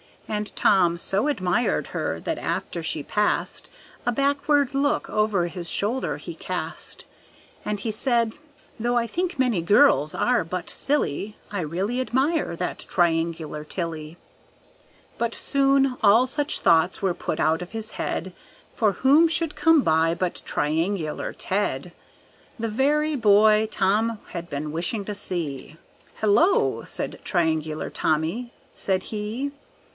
And Tom so admired her that after she passed, A backward look over his shoulder he cast. And he said, "Though I think many girls are but silly, I really admire that Triangular Tilly." But soon all such thoughts were put out of his head, For who should come by but Triangular Ted, The very boy Tom had been wishing to see! "Hello!" said Triangular Tommy, said he.